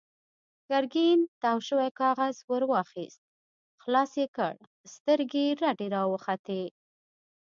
ګرګين تاو شوی کاغذ ور واخيست، خلاص يې کړ، سترګې يې رډې راوختې.